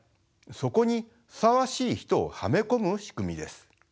そこにふさわしい人をはめ込む仕組みです。